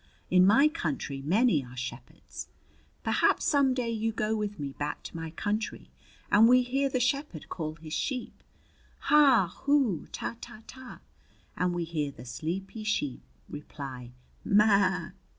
In my country many are shepherds. Perhaps some day you go with me back to my country, and we hear the shepherd call his sheep 'Ha! Hoo! Ta, Ta, Ta!' and we hear the sleepy sheep reply: 'Maaaa!'"